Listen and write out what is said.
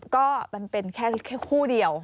ก็มันเป็นแค่คู่เดียว